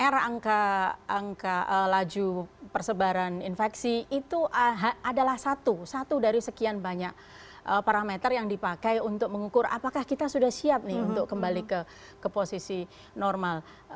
r angka laju persebaran infeksi itu adalah satu satu dari sekian banyak parameter yang dipakai untuk mengukur apakah kita sudah siap nih untuk kembali ke posisi normal